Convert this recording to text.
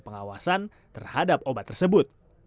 pengawasan terhadap obat tersebut